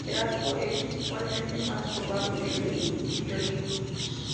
El arco es usualmente más curvado que el del violín.